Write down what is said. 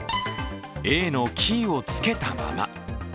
Ａのキーをつけたまま。